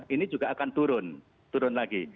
ini juga akan turun turun lagi